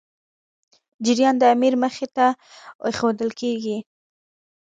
جریان د امیر مخي ته ایښودل کېدی.